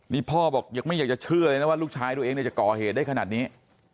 นี่พ่อบอกยังไม่อยากจะเชื่อเลยนะว่าลูกชายตัวเองจะก่อเหตุได้ขนาดนี้